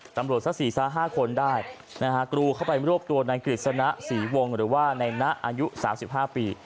สัก๔๕คนได้นะฮะกรูเข้าไปรวบตัวนายกฤษณะศรีวงหรือว่าในนะอายุ๓๕ปี